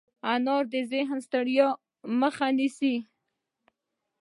انار د ذهني ستړیا مخه نیسي.